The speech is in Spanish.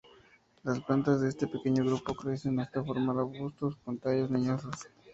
Las plantas de este pequeño grupo crecen hasta formar arbustos con tallos leñosos.